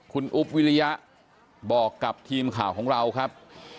คุณอุ๊บวิริยะบอกกับทีมข่าวของเราครับ